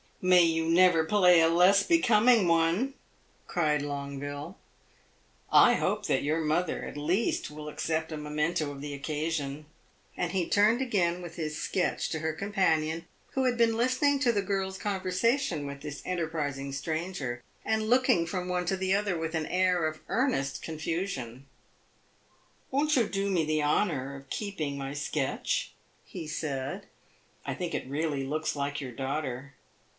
"May you never play a less becoming one!" cried Longueville. "I hope that your mother, at least, will accept a memento of the occasion." And he turned again with his sketch to her companion, who had been listening to the girl's conversation with this enterprising stranger, and looking from one to the other with an air of earnest confusion. "Won't you do me the honor of keeping my sketch?" he said. "I think it really looks like your daughter."